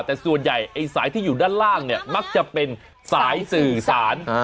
แต่ส่วนใหญ่ไอ้สายที่อยู่ด้านล่างเนี่ยมักจะเป็นสายสื่อสาร